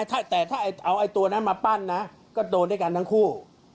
แต่ถ้าเอาไอ้ตัวนั้นมาปั้นนะก็โดนด้วยกันทั้งคู่